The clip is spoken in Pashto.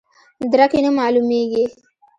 درک یې نه معلومیږي.